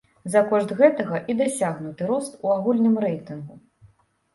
За кошт гэтага і дасягнуты рост у агульным рэйтынгу.